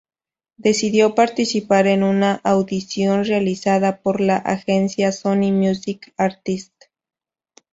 Decidió participar en una audición realizada por la agencia Sony Music Artists.